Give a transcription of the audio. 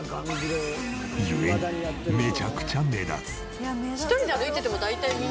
故にめちゃくちゃ目立つ。